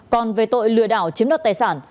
còn về tội lừa đảo chiếm đợt tài sản